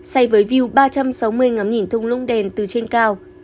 xây với view ba trăm sáu mươi ngắm nhìn thung lũng đèn từ trên cao